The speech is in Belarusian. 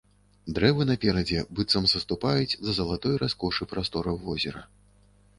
Дрэвы наперадзе быццам саступаюць да залатой раскошы прастораў возера.